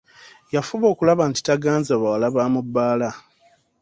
Yafuba okulaba nti taganza bawala ba mu bbaala.